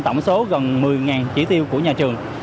tổng số gần một mươi chỉ tiêu của nhà trường